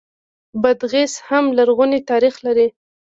بادغیس هم لرغونی تاریخ لري